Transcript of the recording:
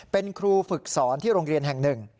เป็นครูฝึกสอนที่โรงเรียนแห่งหนึ่ง